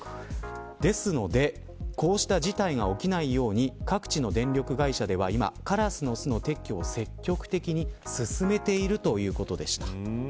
ですので、こういった事態が起きないように各地の電力会社では今カラスの巣の撤去を積極的に進めているということでした。